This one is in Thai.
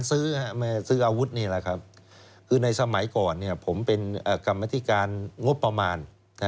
ซื้อมาซื้ออาวุธนี่แหละครับคือในสมัยก่อนผมเป็นกรรมธิการงบประมาณ